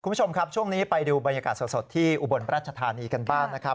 คุณผู้ชมครับช่วงนี้ไปดูบรรยากาศสดที่อุบลราชธานีกันบ้างนะครับ